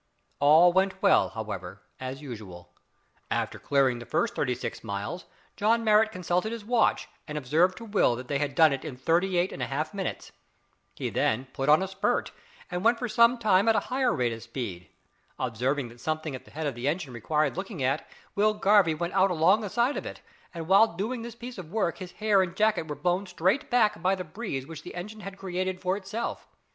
All went well, however, as usual. After clearing the first thirty six miles John Marrot consulted his watch, and observed to Will that they had done it in thirty eight and a half minutes. He then "put on a spurt," and went for some time at a higher rate of speed. Observing that something at the head of the engine required looking after, Will Garvie went out along the side of it, and while doing this piece of work his hair and jacket were blown straight back by the breeze which the engine had created for itself.